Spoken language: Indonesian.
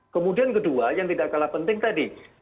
kemudian kedua yang tidak kalah penting tadi